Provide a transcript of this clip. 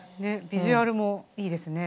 ビジュアルもいいですね。